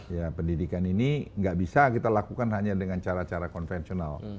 ya pendidikan ini nggak bisa kita lakukan hanya dengan cara cara konvensional